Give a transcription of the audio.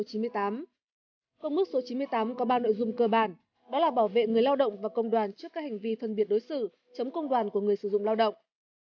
công ước số chín mươi tám có ba nội dung cơ bản đó là bảo vệ người lao động và công đoàn trước các hành vi phân biệt đối xử chấm công đoàn của người sử dụng lao động